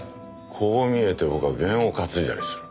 こう見えて僕は験を担いだりする。